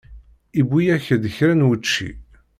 Uwiɣ-ak-d kra n wučči.